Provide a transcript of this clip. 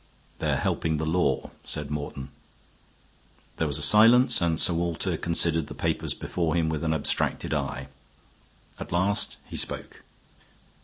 "They are helping the law," said Morton. There was a silence, and Sir Walter considered the papers before him with an abstracted eye. At last he spoke.